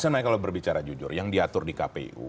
sebenarnya kalau berbicara jujur yang diatur di kpu